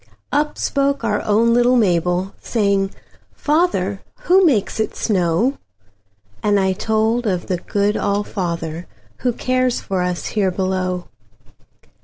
Up spoke our own little Mabel, Saying, "Father, who makes it snow?"And I told of the good All fatherWho cares for us here below.